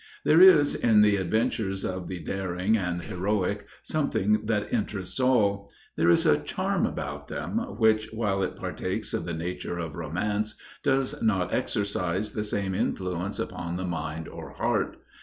There is in the adventures of the daring and heroic, something that interests all. There is a charm about them which, while it partakes of the nature of Romance, does not exercise the same influence upon the mind or heart.